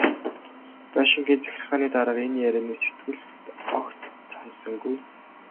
Байшингийн захиргааны дарга энэ ярианд сэтгэл огт ханасангүй.